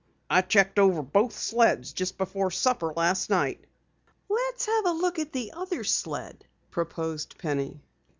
"I checked over both sleds just before supper last night." "Let's have a look at the other sled," proposed Penny.